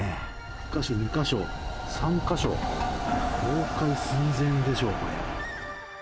１か所、２か所、３か所、倒壊寸前でしょう、これ。